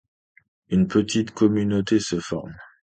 Une petite communauté se forme.